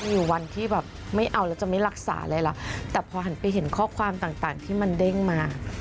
อยู่วันที่แบบไม่เอาแล้วจะไม่รักษาเลยเหรอแต่พอหันไปเห็นข้อความต่างที่มันเด้งมา